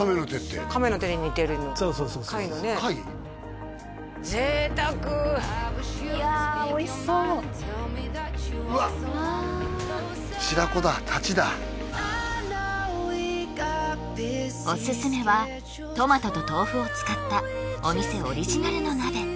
いやおいしそううわっ白子だタチだおすすめはトマトと豆腐を使ったお店オリジナルの鍋